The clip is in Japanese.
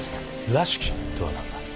「らしき」とはなんだ？